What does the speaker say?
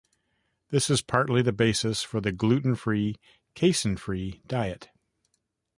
This is partly the basis for the gluten-free, casein-free diet.